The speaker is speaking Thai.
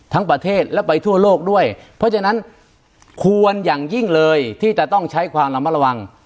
ทั้งประเทศและไปทั่วโลกด้วยเพราะฉะนั้นควรอย่างยิ่งเลยที่จะต้องใช้ความระมัดระวัง